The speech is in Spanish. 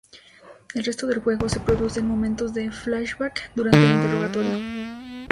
El resto del juego se produce en momentos de flashback durante el interrogatorio.